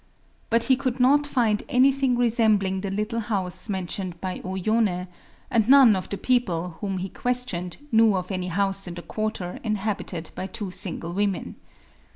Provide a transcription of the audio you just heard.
But he could not find anything resembling the little house mentioned by O Yoné; and none of the people whom he questioned knew of any house in the quarter inhabited by two single women.